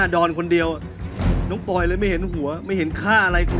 ดูแล้วคงไม่รอดที่ฝันคู่กัน